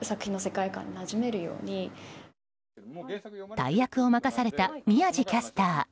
大役を任された宮司キャスター。